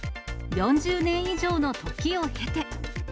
４０年以上の時を経て。